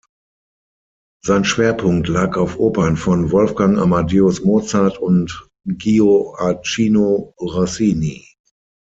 Sein Schwerpunkt lag auf Opern von Wolfgang Amadeus Mozart und Gioachino Rossini.